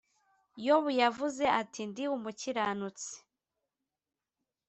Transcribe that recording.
“yobu yavuze ati’ ndi umukiranutsi,